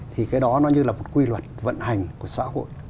thì cái đó nó như là một quy luật vận hành của xã hội